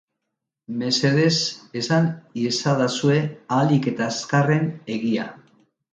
Mesedez esan iezadazue ahalik eta azkarren egia.